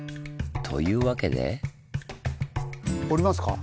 というわけで。